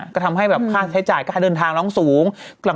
ก็ทำให้แบบค่าใช้จ่ายค่าเดินทางร้องสูง